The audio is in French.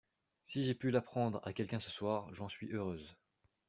Si j’ai pu l’apprendre à quelqu’un ce soir, j’en suis heureuse.